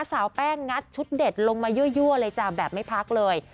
สาวแป้งงัดชุดเด็ดลงมายั่วเลยจ้ะแบบไม่พักเลย